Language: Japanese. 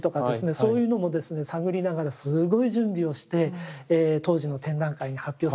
そういうのも探りながらすごい準備をして当時の展覧会に発表するんですね。